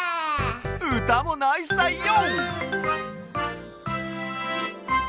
うたもナイスだよ！